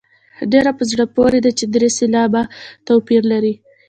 ډېره په زړه پورې ده چې درې سېلابه توپیر لري.